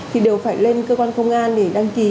thì đều phải lên cơ quan công an để đăng ký